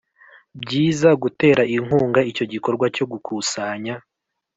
Byiza gutera inkunga icyo gikorwa cyo gukusanya